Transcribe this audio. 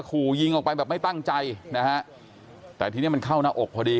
ขู่ยิงออกไปแบบไม่ตั้งใจนะฮะแต่ทีนี้มันเข้าหน้าอกพอดี